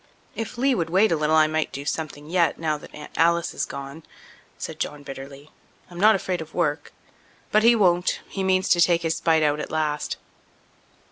"If Lee would wait a little I might do something yet, now that Aunt Alice is gone," said John bitterly. "I'm not afraid of work. But he won't; he means to take his spite out at last."